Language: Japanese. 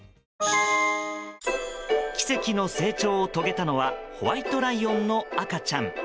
奇跡の成長を遂げたのはホワイトライオンの赤ちゃん。